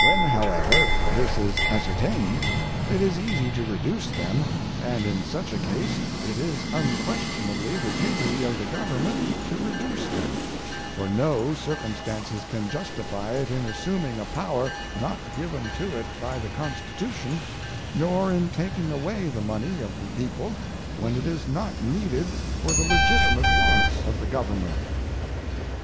When, however, this is ascertained, it is easy to reduce them, and in such a case it is unquestionably the duty of the Government to reduce them, for no circumstances can justify it in assuming a power not given to it by the Constitution nor in taking away the money of the people when it is not needed for the legitimate wants of the Government.